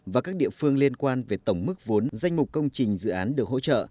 và các địa phương liên quan về tổng mức vốn danh mục công trình dự án được hỗ trợ